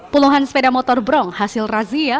puluhan sepeda motor bronk hasil razia